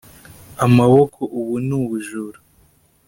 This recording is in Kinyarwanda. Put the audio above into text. Amaboko Ubu ni ubujura